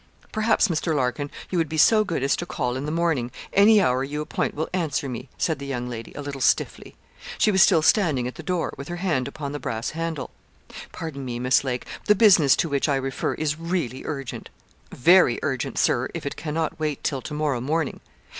'Perhaps, Mr. Larkin, you would be so good as to call in the morning any hour you appoint will answer me,' said the young lady, a little stiffly. She was still standing at the door, with her hand upon the brass handle. 'Pardon me, Miss Lake, the business to which I refer is really urgent.' 'Very urgent, Sir, if it cannot wait till to morrow morning.'